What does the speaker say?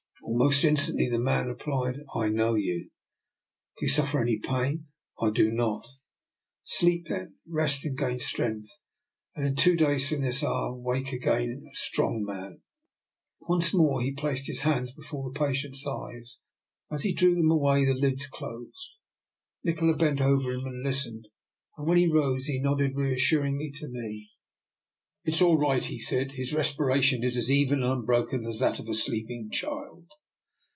Almost instantly the man repHed: —" I know you." " Do you suffer any pain? "" I do not." " Sleep then, rest and gain strength, and in two days from this hour wake again a strong man." Once more he placed his hands before the patient's eyes, and as he drew them away the DR. NIKOLA'S EXPERIMENT. 233 lids closed. Nikola bent over him and lis tened, and when he rose he nodded reassur ingly to me. " It is all right," he said. " His respira tion is as even and unbroken as that of a sleep ing child."